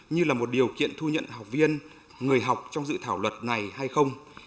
như là một điều kiện thu nhận học viên người học trong dự thảo luật này hay không